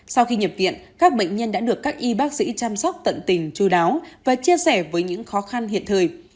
sau khi nhập viện các bệnh nhân đã được các y bác sĩ chăm sóc tận tình chú đáo và chia sẻ với những khó khăn hiện thời